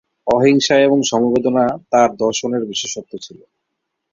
অহিংসা এবং সমবেদনা তাঁর দর্শনের বিশেষত্ব ছিল।